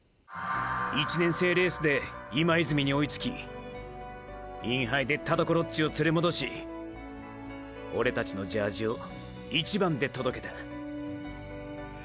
１年生レースで今泉に追いつきインハイで田所っちを連れ戻しオレたちのジャージを一番で届けた。